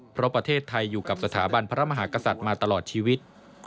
เพราะประเทศไทยอยู่กับสถาบันพระมหากษัตริย์มาตลอดชีวิต